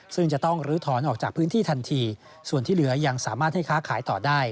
ซึ่งจะต้องลื้อถอนออกจากพื้นที่ทันทีส่วนที่เหลือยังสามารถให้ค้าขายต่อได้